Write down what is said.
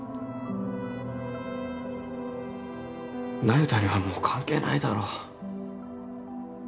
那由他にはもう関係ないだろ